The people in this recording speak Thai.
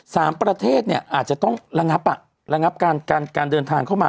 สามประเทศอาจจะต้องระงับการเดินทางเข้ามา